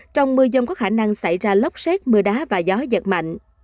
trong mưa dông có khả năng xảy ra lốc xét mưa đá và gió giật mạnh